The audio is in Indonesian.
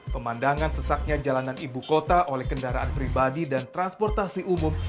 pemandangan sesaknya jalanan ibu kota oleh kendaraan pribadi dan transportasi umum